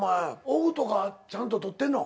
オフとかちゃんと取ってんの？